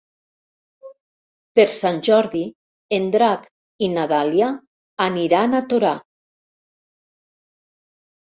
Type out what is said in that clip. Per Sant Jordi en Drac i na Dàlia aniran a Torà.